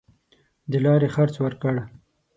د لاري خرڅ ورکړ.